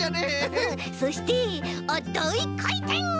そしてあっだいかいてん！